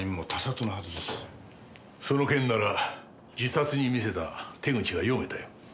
その件なら自殺に見せた手口が読めたよ。